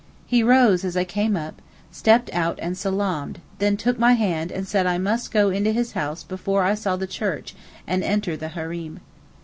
He rose as I came up, stepped out and salaamed, then took my hand and said I must go into his house before I saw the church and enter the hareem.